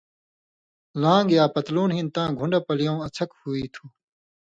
لان٘گ یا پتلُون ہِن تاں گھُن٘ڈہۡ پلیؤں اڅھک ہُوئ تھُو۔